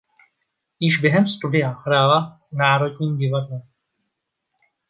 Již během studia hrála v Národním divadle.